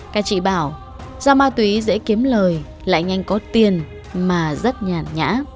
các chị bảo do ma túy dễ kiếm lời lại nhanh có tiền mà rất nhản nhã